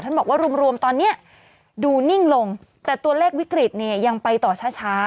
บอกว่ารวมรวมตอนนี้ดูนิ่งลงแต่ตัวเลขวิกฤตเนี่ยยังไปต่อช้าช้า